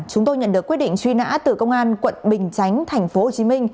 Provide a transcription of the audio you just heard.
chúng tôi nhận được quyết định truy nã từ công an quận bình chánh tp hcm